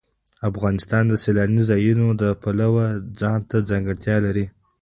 افغانستان د سیلانی ځایونه د پلوه ځانته ځانګړتیا لري.